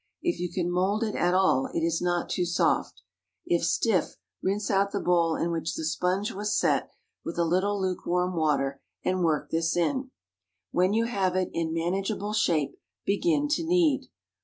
If you can mould it at all, it is not too soft. If stiff, rinse out the bowl in which the sponge was set with a little lukewarm water, and work this in. When you have it in manageable shape, begin to knead.